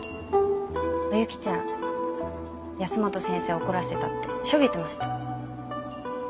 お雪ちゃん保本先生を怒らせたってしょげてました。